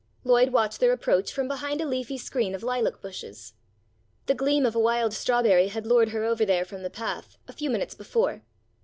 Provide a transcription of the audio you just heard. Lloyd watched their approach from behind a leafy screen of lilac bushes. The gleam of a wild strawberry had lured her over there from the path, a few minutes before.